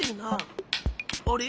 あれ？